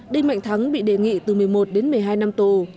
đinh mạnh thắng bị đề nghị từ một mươi một đến một mươi hai năm tù